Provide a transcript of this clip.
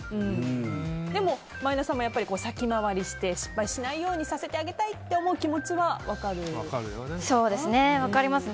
でも、前田さんも先回りして失敗しないようにさせてあげたいという気持ちはそうですね、分かります。